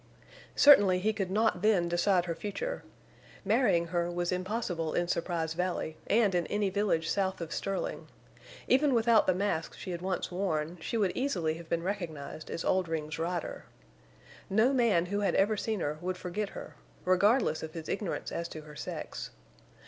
Certainly he could not then decide her future. Marrying her was impossible in Surprise Valley and in any village south of Sterling. Even without the mask she had once worn she would easily have been recognized as Oldring's Rider. No man who had ever seen her would forget her, regardless of his ignorance as to her sex.